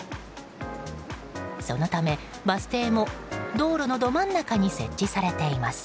そのため、バス停も道路のど真ん中に設置されています。